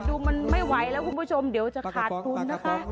ดูมันไม่ไหวแล้วคุณผู้ชมเดี๋ยวจะขาดทุนนะคะ